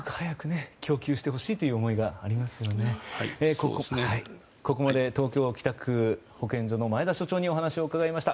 ここまで東京都北区保健所の前田所長にお話を伺いました。